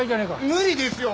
無理ですよ！